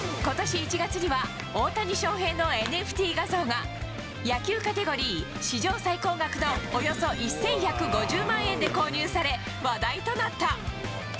今年１月には大谷翔平のＮＦＴ画像が野球カテゴリー史上最高額のおよそ１１５０万円で購入され話題となった。